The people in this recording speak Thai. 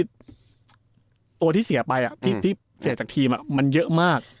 ตัวที่เสียไปที่เสียจากทีมมันเยอะมาก